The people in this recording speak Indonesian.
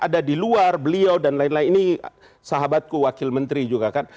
ada di luar beliau dan lain lain ini sahabatku wakil menteri juga kan